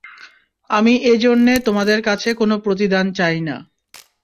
আমি এ জন্যে তোমাদের কাছে কোন প্রতিদান চাই না।